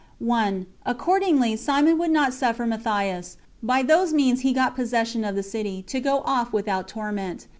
1. Accordingly Simon would not suffer Matthias, by whose means he got possession of the city, to go off without torment.